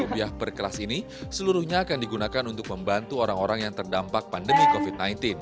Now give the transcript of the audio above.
rp lima per kelas ini seluruhnya akan digunakan untuk membantu orang orang yang terdampak pandemi covid sembilan belas